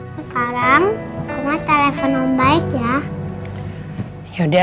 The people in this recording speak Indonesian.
sekarang oma telepon om baik ya